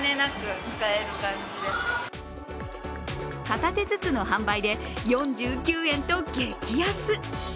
片手ずつの販売で４９円と激安。